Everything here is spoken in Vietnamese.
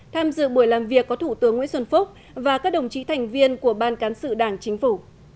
tham dự buổi làm việc có thủ tướng nguyễn xuân phúc và các đồng chí thành viên của ban cán sự đảng chính phủ